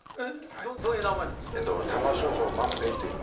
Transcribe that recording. どういう名前なんですか？